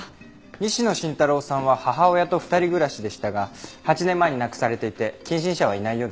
西野伸太郎さんは母親と２人暮らしでしたが８年前に亡くされていて近親者はいないようです。